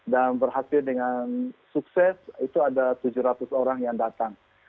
dan berhasil dengan sukses itu ada tujuh ratus orang yang datang